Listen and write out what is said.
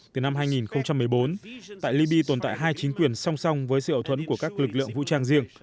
từ năm hai nghìn một mươi bốn tại libby tồn tại hai chính quyền song song với sự ảo thuẫn của các lực lượng vũ trang riêng